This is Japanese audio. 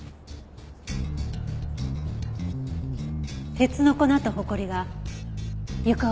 鉄の粉とホコリが床を覆ってる。